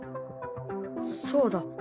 そうだ。